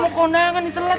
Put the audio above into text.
mau kondangan itu lagi